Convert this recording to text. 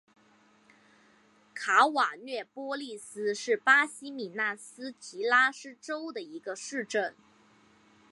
卡瓦略波利斯是巴西米纳斯吉拉斯州的一个市镇。